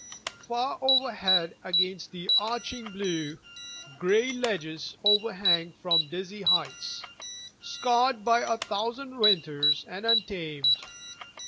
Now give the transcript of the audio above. Far overhead against the arching blue Gray ledges overhang from dizzy heights, Scarred by a thousand winters and untamed.